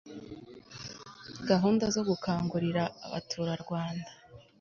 gahunda zo gukangurira abaturarwanda